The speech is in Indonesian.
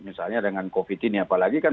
misalnya dengan covid ini apalagi kan